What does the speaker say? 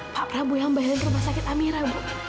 pak ramu yang bayarin rumah sakit amira bu